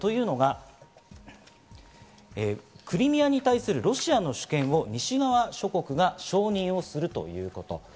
というのがクリミアに対するロシアの主権を西側諸国が承認をするということ。